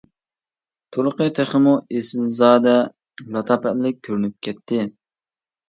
تۇرقى تېخىمۇ ئېسىلزادە، لاتاپەتلىك كۆرۈنۈپ كەتتى.